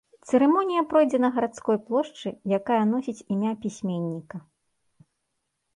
Цырымонія пройдзе на гарадской плошчы, якая носіць імя пісьменніка.